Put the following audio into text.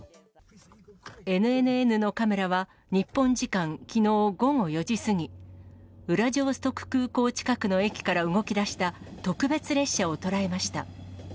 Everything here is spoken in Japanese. ＮＮＮのカメラは、日本時間きのう午後４時過ぎ、ウラジオストク空港近くの駅から動きだした特別列車を捉えました。